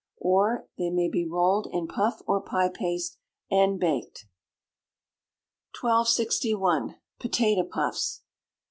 Or they may be rolled in puff or pie paste, and baked. 1261. Potato Puffs.